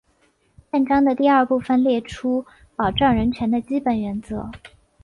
宪章的第二部分列出保障人权的基本原则。